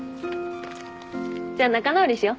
じゃあ仲直りしよ。